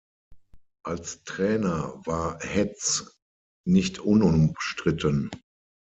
Als Trainer war Hetz nicht unumstritten.